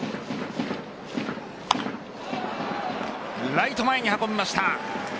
ライト前に運びました。